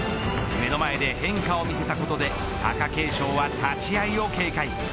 目の前で変化を見せたことで貴景勝は立ち合いを警戒。